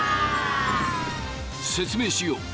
説明しよう！